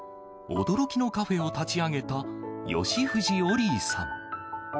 驚きのカフェを立ち上げた吉藤オリィさん。